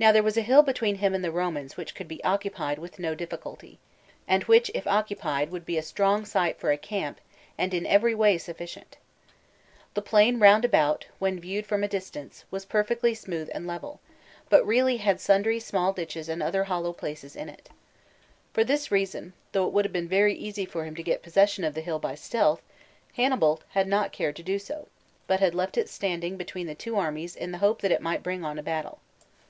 Now there was a hill between him and the Romans which could be occupied with no difficulty, and which, if occupied, would be a strong site for a camp and in every way sufficient. The plain round about, when viewed from a distance, was perfectly smooth and level, but really had sundry small ditches and other hollow places in it. For this reason, though it would have been very easy for him to get possession of the hill by stealth, Hannibal had not cared to do so, but had left it standing between the two armies in the hope that it might bring on a battle.